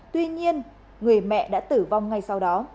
tuy nhiên người mẹ đã tử vong ngay sau đó